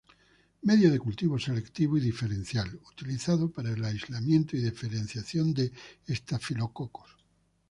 Medio de cultivo selectivo y diferencial, utilizado para el aislamiento y diferenciación de estafilococos.